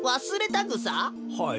はい。